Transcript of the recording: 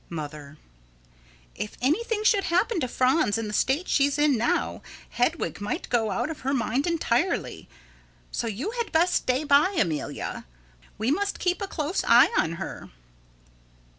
Mother: If anything should happen to Franz in the state she's in now, Hedwig might go out of her mind entirely. So you had best stay by, Amelia. We must keep a close eye on her.